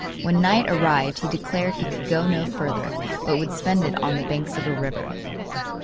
When night arrived he declared he could go no further, but would spend it on the banks of a river.